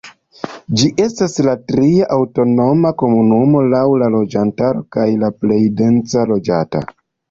Ĝi estas la tria aŭtonoma komunumo laŭ loĝantaro kaj la plej dense loĝata.